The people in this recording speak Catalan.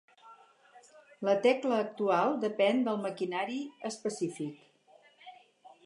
La tecla actual depèn del maquinari específic.